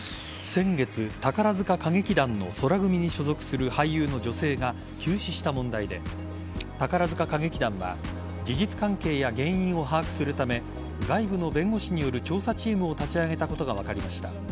先月宝塚歌劇団の宙組に所属する俳優の女性が急死した問題で宝塚歌劇団は事実関係や原因を把握するため外部の弁護士による調査チームを立ち上げたことが分かりました。